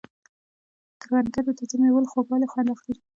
کروندګر د تازه مېوو له خوږوالي خوند اخلي